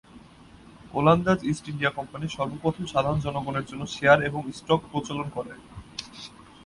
ওলন্দাজ East India Company সর্বপ্রথম সাধারণ জনগণের জন্য শেয়ার এবং স্টক প্রচলন করে।